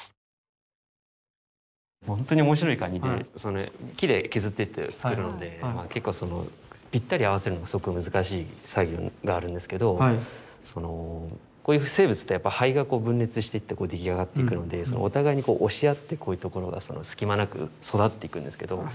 ほんとに面白いカニで木で削って作るので結構ぴったり合わせるのがすごく難しい作業があるんですけどこういう生物って胚が分裂していって出来上がっていくのでお互いに押し合ってこういうところは隙間なく育っていくんですけど。